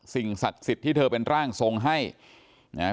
สิ่งศักดิ์สิทธิ์ที่เธอเป็นร่างทรงให้นะฮะ